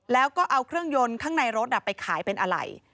แล้วก็เอาเครื่องยนต์ข้างในรถไปขายเป็นอะไร